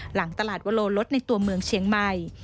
หลังตลาดวโลลดในตัวเมืองเชียงใหม่